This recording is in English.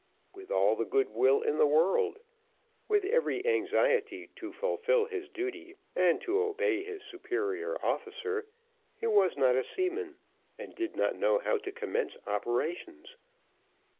With all the good will in the world, with every anxiety to fulfil his duty, and to obey his superior officer, he was not a seaman, and did not know how to commence operations.